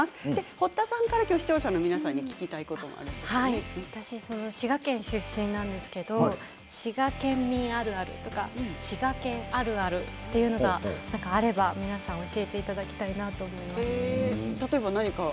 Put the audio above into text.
堀田さんから視聴者の皆さんに私、滋賀県出身なんですけど滋賀県民あるあるとか滋賀県あるある、あれば教えていただきたいなと思います。